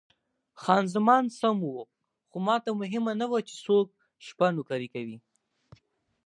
خان زمان سمه وه، خو ماته مهمه نه وه چې څوک شپه نوکري کوي.